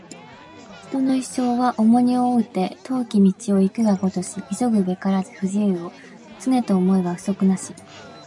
人の一生は重荷を負うて、遠き道を行くがごとし急ぐべからず不自由を、常と思えば不足なし